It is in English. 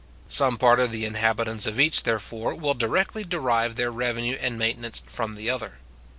Some part of the inhabitants of each, therefore, will directly derive their revenue and maintenance from the other.